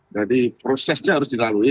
jadi prosesnya harus dilalui